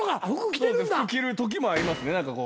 服着るときもありますね。